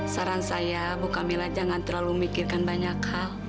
saran saya bu kamila jangan terlalu mikirkan banyak hal